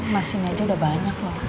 mesin aja udah banyak loh